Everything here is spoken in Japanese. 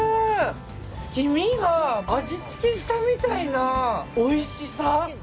黄身が味付けしたみたいなおいしさ。